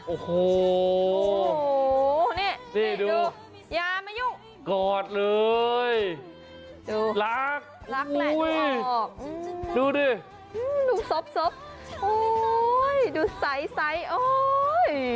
โอ้โหนี่ดูอย่ามายุ่งกอดเลยรักรักแหละดูดิดูซบโอ้ยดูใสโอ้ย